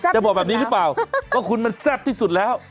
จะบอกแบบนี้หรือเปล่าว่าคุณมันแซ่บที่สุดแล้ว